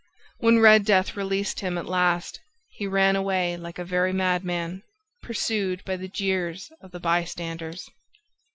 When Red Death released him at last, he ran away like a very madman, pursued by the jeers of the bystanders.